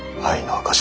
愛の証し。